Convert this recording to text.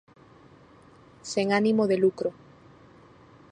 Sen ánimo de lucro.